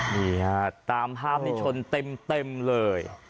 นี่ฮะตามภาพนี้ชนเต็มเลย